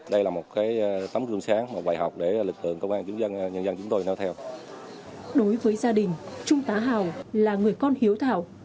đối với gia đình trung tá hào là người con hiếu thảo